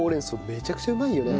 めちゃくちゃうまいよね。